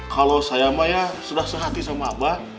kalau saya mah ya sudah sehati sama abah